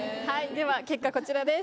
では結果こちらです。